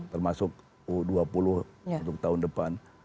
termasuk u dua puluh untuk tahun depan